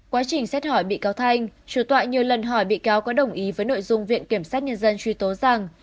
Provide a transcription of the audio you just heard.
quá trình xét hỏi bị cáo thanh chủ tọa nhiều lần hỏi bị cáo có đồng ý với nội dung viện kiểm sát nhân dân truy tố rằng